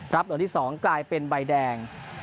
หลวงที่๒กลายเป็นใบแดง